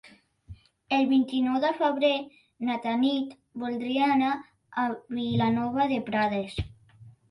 El vint-i-nou de febrer na Tanit voldria anar a Vilanova de Prades.